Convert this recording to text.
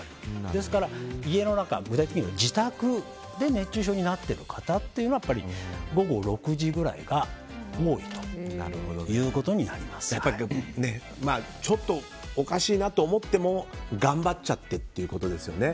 ですから自宅で熱中症になっている方というのはやっぱり午後６時ぐらいがちょっとおかしいなと思っても頑張っちゃってということですよね。